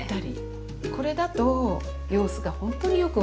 これだと様子がほんとによく分かるので。